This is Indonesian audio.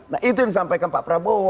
nah itu yang disampaikan pak prabowo